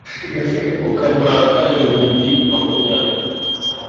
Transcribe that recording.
ukamwaka ibihumbi makumyabiri ,